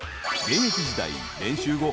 ［現役時代練習後